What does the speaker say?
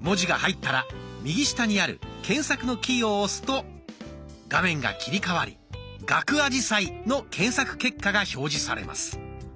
文字が入ったら右下にある検索のキーを押すと画面が切り替わり「ガクアジサイ」の検索結果が表示されます。